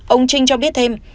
ông trinh cho biết thêm